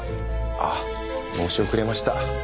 ああ申し遅れました。